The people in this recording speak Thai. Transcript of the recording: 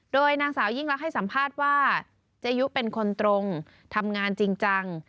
โดยนางสาวยิ่งรักให้สัมภาษณ์ว่าเจยุเป็นคนตรงทำงานจริงจัง